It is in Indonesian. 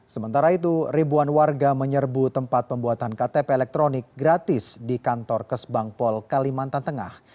sementara itu ribuan warga menyerbu tempat pembuatan ktp elektronik gratis di kantor kesbangpol kalimantan tengah